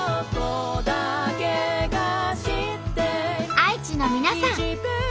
愛知の皆さん